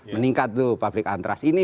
meningkat tuh public antras ini